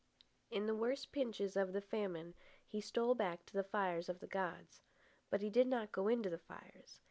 In the worst pinches of the famine he stole back to the fires of the gods. But he did not go into the fires.